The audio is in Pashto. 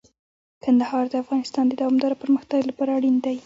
کندهار د افغانستان د دوامداره پرمختګ لپاره اړین دی.